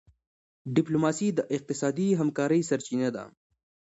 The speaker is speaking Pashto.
ډيپلوماسي د اقتصادي همکارۍ سرچینه ده.